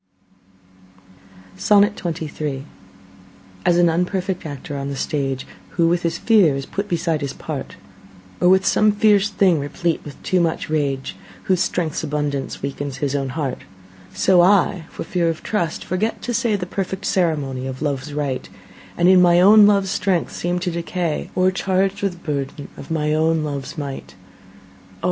ive back again. XXIII As an unperfect actor on the stage, Who with his fear is put beside his part, Or some fierce thing replete with too much rage, Whose strength's abundance weakens his own heart; So I, for fear of trust, forget to say The perfect ceremony of love's rite, And in mine own love's strength seem to decay, O'ercharg'd with burthen of mine own love's might. O!